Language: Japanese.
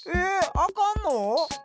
あかんの！？